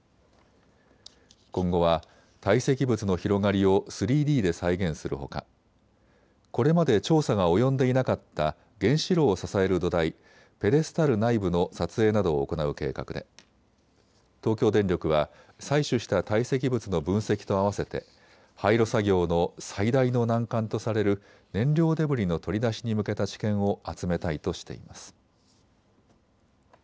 今後は堆積物の広がりを３Ｄで再現するほか、これまで調査が及んでいなかった原子炉を支える土台、ペデスタル内部の撮影などを行う計画で東京電力は採取した堆積物の分析と併せて廃炉作業の最大の難関とされる燃料デブリの取り出しに向けた知見を集めたいとしています。